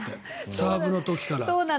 サーブの時から。